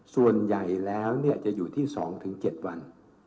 ส่วนใหญ่แล้วจะอยู่ที่๒๗วัน